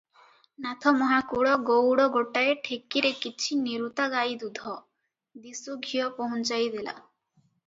ନାଥ ମହାକୁଡ଼ ଗଉଡ଼ ଗୋଟାଏ ଠେକିରେ କିଛି ନିରୁତା ଗାଈଦୁଧ, ଦିଶୁ ଘିଅ ପହୁଞ୍ଚାଇ ଦେଲା ।